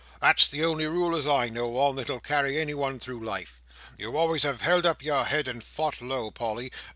That's the only rule as I know on, that'll carry anyone through life. You always have held up your head and fought low, Polly.